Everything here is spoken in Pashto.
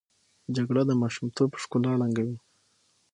جګړه د ماشومتوب ښکلا ړنګوي